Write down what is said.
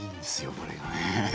これがね。